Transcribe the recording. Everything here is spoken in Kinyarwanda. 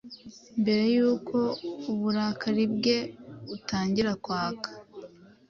Mbere yuko uburakari bwe butangira kwaka